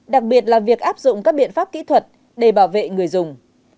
đặc biệt là việc áp dụng các biện pháp kỹ thuật để bảo vệ người dùng